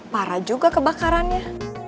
parah juga kebakarannya